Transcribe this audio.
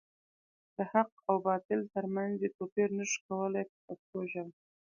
د حق او باطل تر منځ یې توپیر نشو کولای په پښتو ژبه.